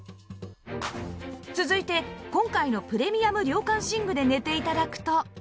続いて今回のプレミアム涼感寝具で寝て頂くと